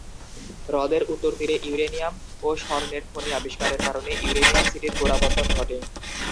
হ্রদের উত্তর তীরে ইউরেনিয়াম ও স্বর্ণের খনি আবিষ্কারের কারণে ইউরেনিয়াম সিটির গোড়াপত্তন ঘটে।